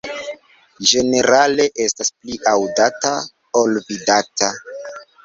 Ĝenerale estas pli aŭdata ol vidata.